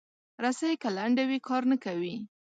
رسۍ که لنډه وي، کار نه کوي.